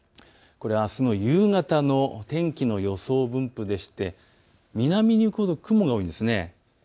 あすの夕方の天気の予想分布でして南に行くほど雲が多いんです。